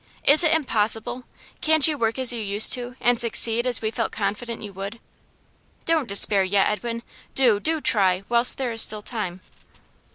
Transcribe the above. Is it impossible? Can't you work as you used to and succeed as we felt confident you would? Don't despair yet, Edwin; do, do try, whilst there is still time!